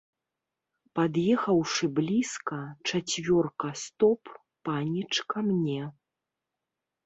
Пад'ехаўшы блізка, чацвёрка стоп, паніч ка мне.